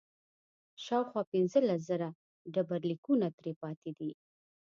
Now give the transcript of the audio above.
شاوخوا پنځلس زره ډبرلیکونه ترې پاتې دي